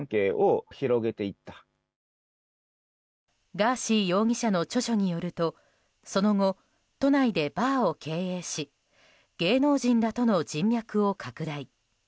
ガーシー容疑者の著書によるとその後、都内でバーを経営し芸能人らとの人脈を拡大。